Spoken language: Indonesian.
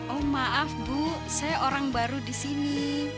oh maaf bu saya orang baru di sini